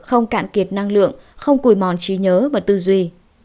không cạn kiệt năng lượng không cùi mòn trí nhớ và tư duy